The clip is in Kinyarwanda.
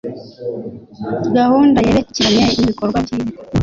gahunda yerekeranye n’ibikorwa by’ibigo